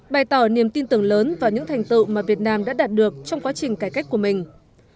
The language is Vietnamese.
bày tỏ niềm tin tưởng lớn vào những thành tựu mà việt nam đã đạt được trong quá trình cải cách của mình